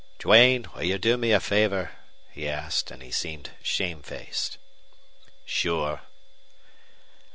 "Duane, will you do me a favor?" he asked, and he seemed shamefaced. "Sure."